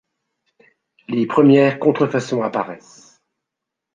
Les premières contrefaçons apparaissent.